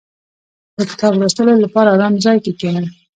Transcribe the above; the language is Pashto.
• د کتاب لوستلو لپاره آرام ځای کې کښېنه.